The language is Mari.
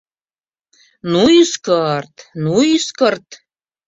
— Ну, ӱскырт, ну, ӱскырт!